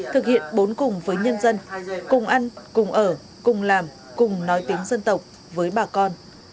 thực hiện bốn cùng với nhân dân cùng ăn cùng ở cùng làm cùng nói tiếng dân tộc với bà con